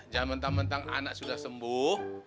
jangan mentang mentang anak sudah sembuh